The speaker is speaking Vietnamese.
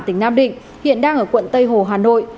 tỉnh nam định hiện đang ở quận tây hồ hà nội